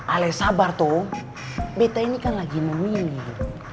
alex sabar tuh beta ini kan lagi memilih